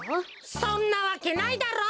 そんなわけないだろ？